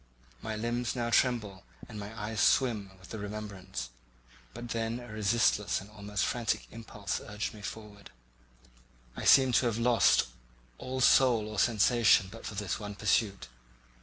My limbs now tremble, and my eyes swim with the remembrance; but then a resistless and almost frantic impulse urged me forward; I seemed to have lost all soul or sensation but for this one pursuit.